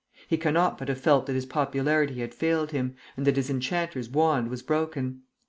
He cannot but have felt that his popularity had failed him, and that his enchanter's wand was broken.